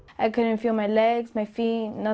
saya tidak merasakan kaki kaki tidak ada apa apa